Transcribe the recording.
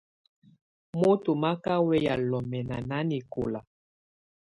Moto má ká wɛya lɔmɛna nanɛkɔla.